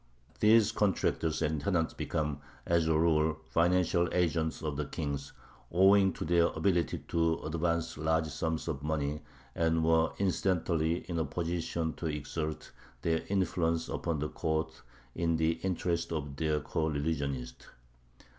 These contractors and tenants became, as a rule, financial agents of the kings, owing to their ability to advance large sums of money, and were incidentally in a position to exert their influence upon the court in the interest of their coreligionists.